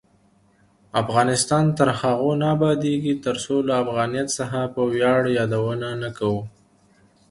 افغانستان تر هغو نه ابادیږي، ترڅو له افغانیت څخه په ویاړ یادونه نه کوو.